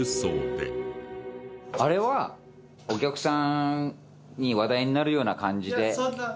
あれはお客さんに話題になるような感じで。